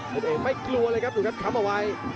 เพชรเอกไม่กลัวเลยครับหนุ่นครับค้ำเอาไว้